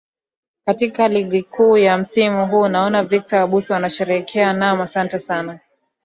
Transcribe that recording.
katika ligi kuu ya msimu huu naona victor abuso anasherehekea naam asante